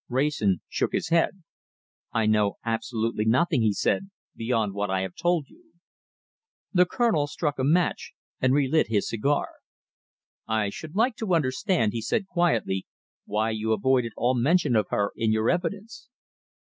Wrayson shook his head. "I know absolutely nothing," he said, "beyond what I have told you." The Colonel struck a match and relit his cigar. "I should like to understand," he said quietly, "why you avoided all mention of her in your evidence."